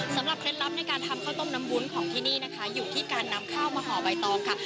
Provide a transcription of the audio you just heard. เคล็ดลับในการทำข้าวต้มน้ำวุ้นของที่นี่นะคะอยู่ที่การนำข้าวมาห่อใบตองค่ะ